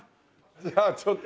じゃあちょっと。